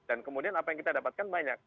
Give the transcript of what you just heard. dan kemudian apa yang kita dapatkan banyak